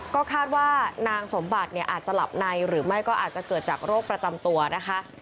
ก็คาดว่านางสมบัติเนี่ยอาจจะหลับในหรือไม่ก็อาจจะเกิดจากโรคประจำตัวนะคะ